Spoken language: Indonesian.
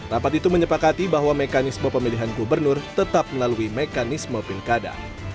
rapat itu menyepakati bahwa mekanisme pemilihan gubernur tetap melalui mekanisme pilkada